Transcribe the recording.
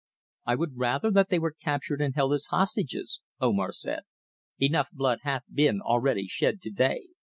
"I would rather that they were captured and held as hostages," Omar said. "Enough blood hath been already shed to day."